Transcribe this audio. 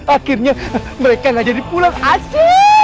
akhirnya mereka gak jadi pulang ac